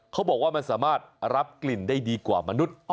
เขาบอกว่ามันสามารถรับกลิ่นได้ดีกว่ามนุษย์